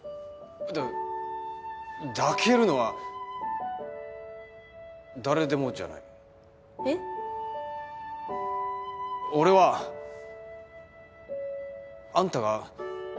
だ抱けるのは誰でもじゃない。えっ？俺はあんたが。